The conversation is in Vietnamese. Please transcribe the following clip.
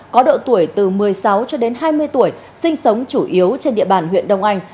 có độ tuổi từ một mươi sáu cho đến hai mươi tuổi sinh sống chủ yếu trên địa bàn huyện đông anh